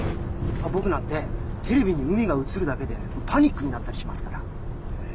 僕なんてテレビに海が映るだけでパニックになったりしますから。